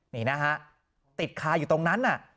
นี่นะฮะติดคาอยู่ตรงนั้นน่ะ